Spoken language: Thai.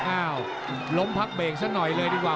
อ้าวล้มพักเบรกซะหน่อยเลยดีกว่า